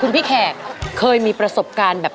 คุณพี่แขกเคยมีประสบการณ์แบบ